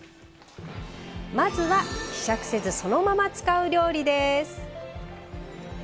まずは希釈せずそのまま使う料理です。